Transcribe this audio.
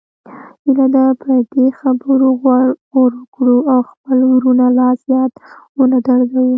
هیله ده په دې خبرو غور وکړو او خپل وروڼه لا زیات ونه دردوو